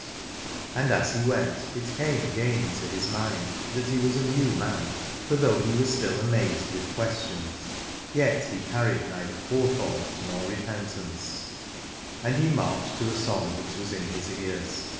And as he went it came again into his mind that he was a new man, for though he was still amazed with questions yet he carried neither forethought nor repentance, Aladore and he marched to a song that was in his ears.